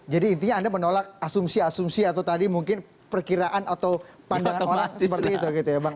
jadi intinya anda menolak asumsi asumsi atau tadi mungkin perkiraan atau pandangan orang seperti itu ya bang